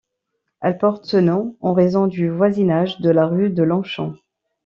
Elle porte ce nom en raison du voisinage de la rue de Longchamp.